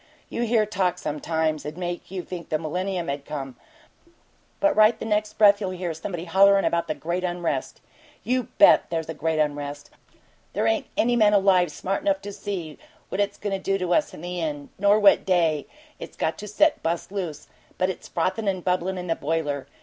You hear talk, sometimes, 'd make you think the millennium had come but right the next breath you'll hear somebody hollerin' about 'the great unrest.' You BET there's a 'great unrest'! There ain't any man alive smart enough to see what it's goin' to do to us in the end, nor what day it's got set to bust loose, but it's frothin' and bubblin' in the boiler.